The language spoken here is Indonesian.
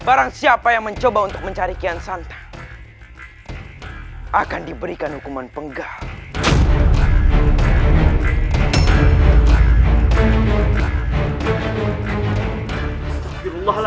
barangsiapa yang mencoba untuk mencari kian santan akan diberikan hukuman penggal